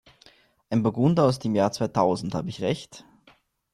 Ein Burgunder aus dem Jahr zweitausend, habe ich Recht?